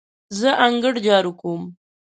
زه انګړ جارو کوم.